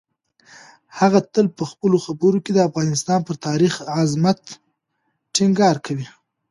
هغه تل په خپلو خبرو کې د افغانستان پر تاریخي عظمت ټینګار کوي.